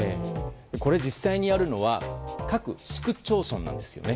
実際にやるのは各市区町村なんですよね。